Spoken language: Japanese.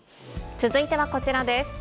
続いてはこちらです。